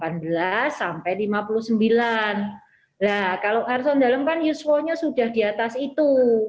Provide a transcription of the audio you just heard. nah kalau arson dalam kan usualnya sudah di atas itu